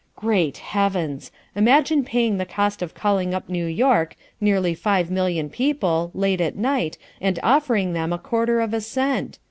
Great heavens! Imagine paying the cost of calling up New York, nearly five million people, late at night and offering them a quarter of a cent!